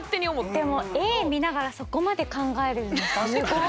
でも絵見ながらそこまで考えるのすごい。